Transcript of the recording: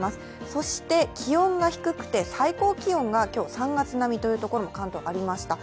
そして気温が低くて最高気温が今日、３月並みというところも関東、ありました。